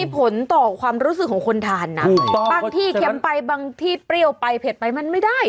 ผลต่อความรู้สึกของคนทานนะบางที่เค็มไปบางที่เปรี้ยวไปเผ็ดไปมันไม่ได้